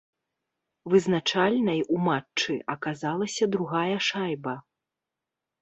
Вызначальнай у матчы аказалася другая шайба.